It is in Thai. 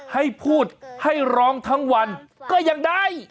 ให้พูดให้ร้องทั้งวันก็ยังได้